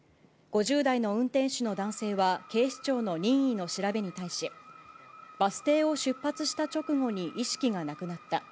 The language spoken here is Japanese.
５０代の運転手の男性は警視庁の任意の調べに対し、バス停を出発した直後に意識がなくなった。